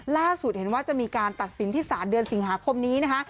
ล่าสุดเห็นว่าจะมีการตัดสินที่ศาลเดือนสิงหาคมนี้นะคะ